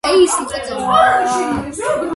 სამოქალაქო ომის შემდეგ აღდგა შაქრის წარმოება.